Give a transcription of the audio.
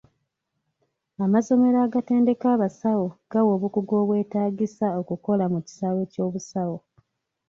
Amasomero agatendeka abasawo gabawa obukugu obwetaagisa okukola mu kisaawe ky'obusawo.